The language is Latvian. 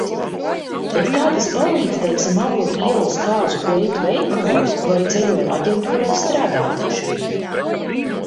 Bet kā tas palīdz, teiksim, Avotu ielas kāzu kleitu veikalos vai ceļojumu aģentūrās strādājošajiem?